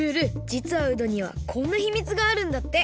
じつはうどにはこんなひみつがあるんだって！